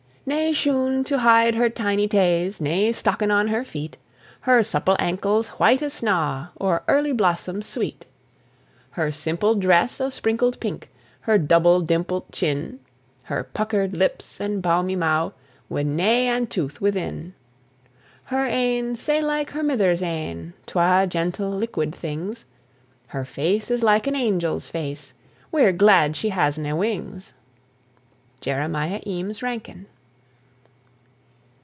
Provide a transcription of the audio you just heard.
Nae shoon to hide her tiny taes, Nae stockin' on her feet; Her supple ankles white as snaw, Or early blossoms sweet. Her simple dress o' sprinkled pink, Her double, dimplit chin, Her puckered lips, and baumy mou', With na ane tooth within. Her een sae like her mither's een, Twa gentle, liquid things; Her face is like an angel's face: We're glad she has nae wings. JEREMIAH EAMES RANKIN.